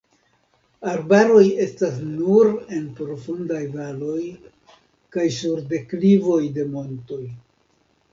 Arbaroj estas nur en profundaj valoj kaj sur deklivoj de montoj.